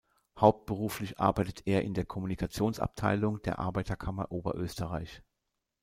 Hauptberuflich arbeitet er in der Kommunikationsabteilung der Arbeiterkammer Oberösterreich.